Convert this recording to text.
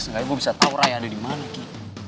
enggaknya gue bisa tahu raya ada di mana ki